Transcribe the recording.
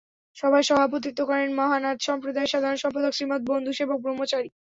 সভায় সভাপতিত্ব করেন মহানাদ সম্প্রদায়ের সাধারণ সম্পাদক শ্রীমৎ বন্ধু সেবক ব্রহ্মচারী।